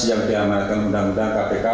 yang diamanatkan undang undang kpk